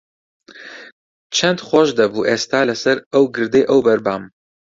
چەند خۆش دەبوو ئێستا لەسەر ئەو گردەی ئەوبەر بام.